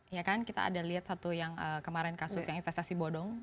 ya kan kita ada lihat satu yang kemarin kasus yang investasi bodong